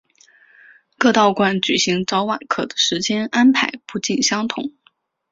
各道观举行早晚课的时间安排不尽相同。